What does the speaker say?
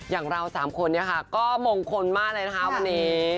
อย่างเรา๓คนเนี่ยค่ะก็มงคลมากเลยนะคะวันนี้